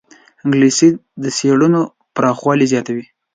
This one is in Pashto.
انګلیسي د څېړنو پراخوالی زیاتوي